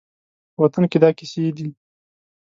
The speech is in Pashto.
په وطن کې دا کیسې دي